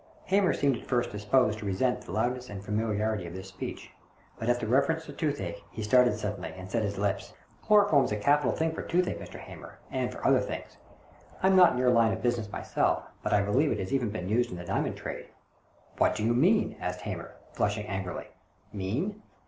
Hamer seemed at first disposed to resent the loudness and familiarity of this speech, but at the reference to toothache he started suddenly and set his lips. "Chloroform's a capital thing for toothache, Mr. Hamer, and for — for other things. I'm not CASE OF THE '' MIRROR OF PORTUGAL" 135 in your line of business myself, but I believe it has even been used in the diamond trade." " A\Tiat do you mean? " asked Hamer, flushing angrily. "Mean?